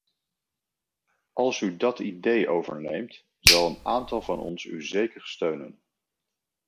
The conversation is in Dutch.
Als u dat idee overneemt, zal een aantal van ons u zeker steunen.